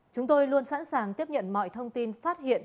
chúng tôi luôn sẵn sàng tiếp nhận mọi thông tin phát hiện